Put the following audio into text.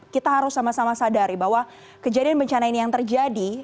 kita harus sama sama sadari bahwa kejadian bencana ini yang terjadi